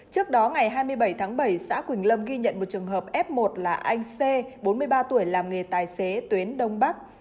trước đó ngày hai mươi bảy tháng bảy xã quỳnh lâm ghi nhận một trường hợp f một là anh c bốn mươi ba tuổi làm nghề tài xế tuyến đông bắc